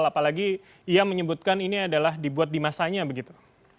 apalagi ia menyebutkan ini adalah dibuat di masanya begitu